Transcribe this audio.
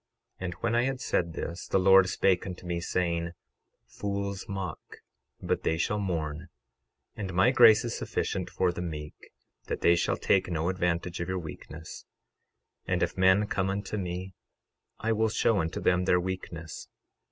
12:26 And when I had said this, the Lord spake unto me, saying: Fools mock, but they shall mourn; and my grace is sufficient for the meek, that they shall take no advantage of your weakness; 12:27 And if men come unto me I will show unto them their weakness.